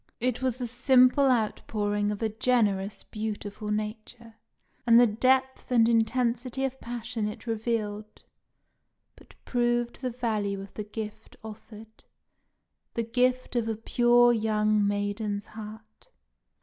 It was the simple outpouring of a generous, beautiful nature, and the depth and intensity of passion it revealed but proved the value of the gift offered the gift of a pure young maiden's heart.